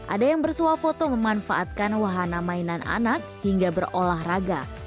ada yang bersuap foto memanfaatkan wahana mainan anak hingga berolahraga